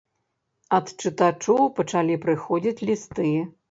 Ад чытачоў пачалі прыходзіць лісты.